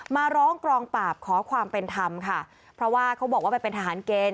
มาร้องกองปราบขอความเป็นธรรมค่ะเพราะว่าเขาบอกว่าไปเป็นทหารเกณฑ์